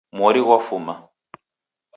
Mori ghwafuma.